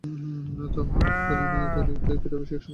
হামিদ তৎকালীন বিভিন্ন দৈনিকে ক্রীড়া বিষয়ক সংবাদ ও কলাম লিখেছেন।